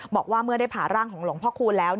บอกว่าเมื่อได้ผ่าร่างของหลวงพ่อคูณแล้ว